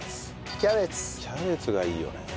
キャベツがいいよね。